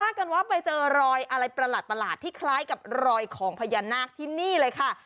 กันว่าไปเจอรอยอะไรประหลาดที่คล้ายกับรอยของพญานาคที่นี่เลยค่ะ